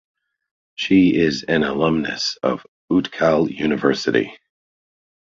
She is an alumnus of Utkal University.